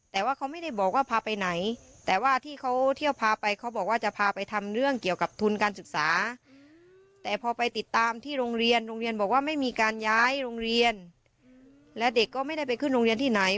แต่ว่าเขาไม่ได้บอกว่าพาไปไหนแต่ว่าที่เขาเที่ยวพาไปเขาบอกว่าจะพาไปทำเรื่องเกี่ยวกับทุนการศึกษาแต่พอไปติดตามที่โรงเรียนโรงเรียนบอกว่าไม่มีการย้ายโรงเรียนและเด็กก็ไม่ได้ไปขึ้นโรงเรียนที่ไหน